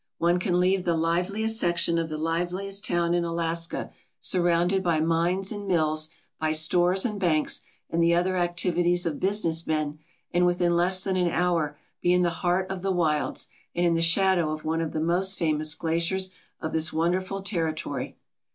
One can leave the liveliest section of the liveliest town in Alaska, surrounded by mines and mills, by stores and banks and the other activities of business men, and within less than an hour be in the heart of the wilds and in the shadow of one Of the most famous glaciers of this wonderful territory.